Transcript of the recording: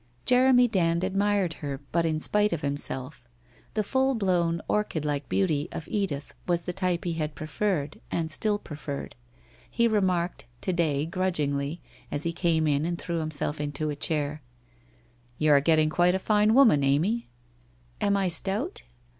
Jeremy Dand admired her, but in spite of himself. The full blown orchid like beauty of Edith was the type he had preferred and still preferred. He remarked, to day, grudg ingly, as he came in and threw himself into a chair :' You are getting quite a fine woman, Amy !' 'Am I stout?'